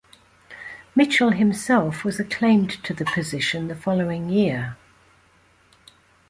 Mitchell himself was acclaimed to the position the following year.